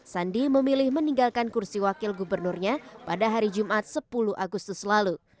sandi memilih meninggalkan kursi wakil gubernurnya pada hari jumat sepuluh agustus lalu